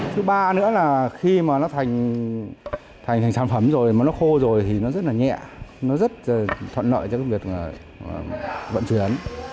thứ ba nữa là khi mà nó thành sản phẩm rồi mà nó khô rồi thì nó rất là nhẹ nó rất thuận lợi cho cái việc vận chuyển